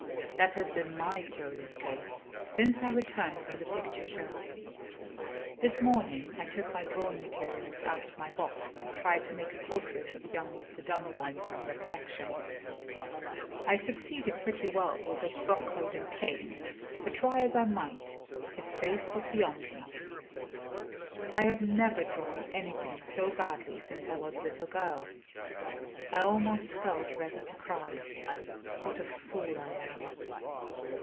That has been my curious case, since I returned from the picture show. This morning I took my drawing materials out of my box, and tried to make a portrait of young Mr. Dunboyne from recollection. I succeeded pretty well with his frock coat and cane; but, try as I might, his face was beyond me. I have never drawn anything so badly since I was a little girl; I almost felt ready to cry. What a fool I am!